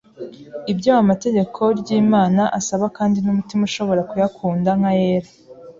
ibyo amategeko ry’Imana asaba, kandi n’umutima ushobora kuyakunda nk’ayera,